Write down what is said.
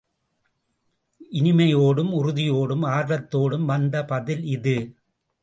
இனிமையோடும், உறுதியோடும், ஆர்வத்தோடும் வந்த பதில் இது.